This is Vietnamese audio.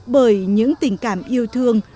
bởi những tình cảm yêu thương